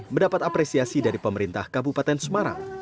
mendapat apresiasi dari pemerintah kabupaten semarang